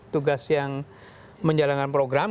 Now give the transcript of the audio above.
tugas yang menjalankan program